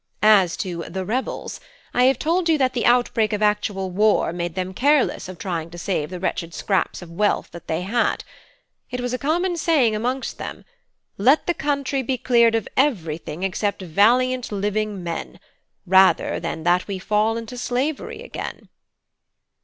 As to 'the rebels,' I have told you that the outbreak of actual war made them careless of trying to save the wretched scraps of wealth that they had. It was a common saying amongst them, Let the country be cleared of everything except valiant living men, rather than that we fall into slavery again!"